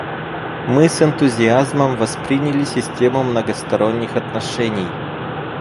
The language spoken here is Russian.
Мы с энтузиазмом восприняли систему многосторонних отношений.